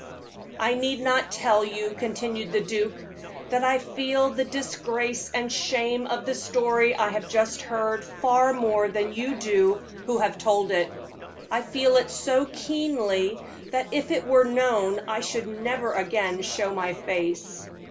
"I need not tell you," continued the duke, "that I feel the disgrace and shame of the story I have just heard far more than you do who have told it. I feel it so keenly, that if it were known, I should never again show my face.